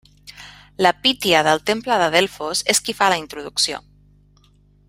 La Pítia del temple de Delfos és qui fa la introducció.